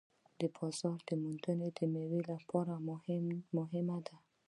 د بازار موندنه د میوو لپاره مهمه ده.